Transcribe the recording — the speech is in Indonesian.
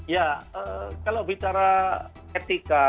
ya kalau bicara etika